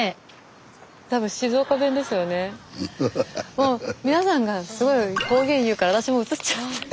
もう皆さんがすごい方言言うから私もうつっちゃって。